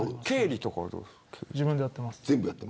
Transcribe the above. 自分でやってます。